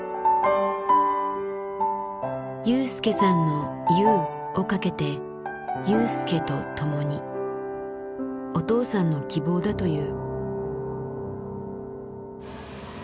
雄介さんの「ゆう」をかけて「雄介と共に」。お父さんの希望だという。